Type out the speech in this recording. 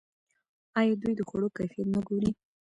آیا دوی د خوړو کیفیت نه ګوري؟